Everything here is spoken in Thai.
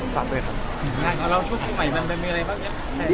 ฝากด้วยครับ